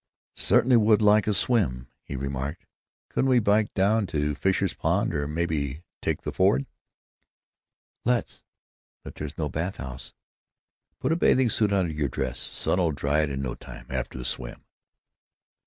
"Certainly would like a swim," he remarked. "Couldn't we bike down to Fisher's Pond, or maybe take the Ford?" "Let's. But there's no bath house." "Put a bathing suit under your dress. Sun 'll dry it in no time, after the swim."